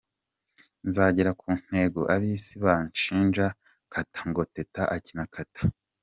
Nzagera ku ntego, ab’isi banshinja Kata! Ngo Teta akina Kata!.